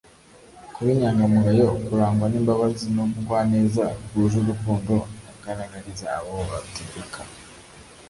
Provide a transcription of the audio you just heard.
kuba inyangamugayo, kurangwa n’imbabazi n’ubugwaneza bwuje urukundo agaragariza abo ategeka,